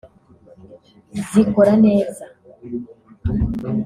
zikora neza